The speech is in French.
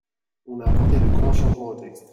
On a apporté de grands changements au texte.